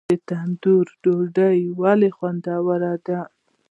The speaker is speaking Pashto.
تندور ډوډۍ ولې خوندوره ده؟